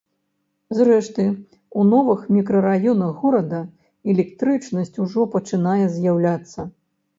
Зрэшты, у новых мікрараёнах горада электрычнасць ужо пачынае з'яўляцца.